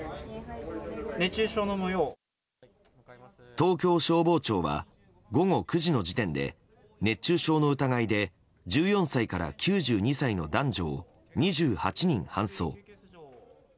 東京消防庁は午後９時の時点で熱中症の疑いで１４歳から９２歳の男女を２８人搬送。